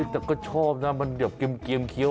แต่ก็ชอบนะมันเดี๋ยวเกียมเคี้ยว